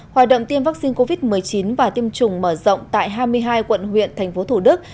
hòa động tiêm vaccine covid một mươi chín và tiêm chủng mở rộng tại hai mươi hai quận huyện tp thủ đức